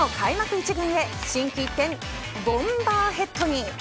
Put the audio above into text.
１軍へ心機一転、ボンバーヘッドに。